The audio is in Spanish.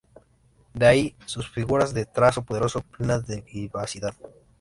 De ahí sus figuras de trazo poderoso, plenas de vivacidad.